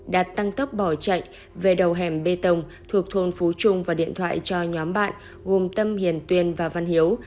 đã tăng tốc bỏ chạy về đầu hẻm bê tông thuộc thôn phú trung và điện thoại cho nhóm bạn gồm tâm hiền tuyên và văn hiếu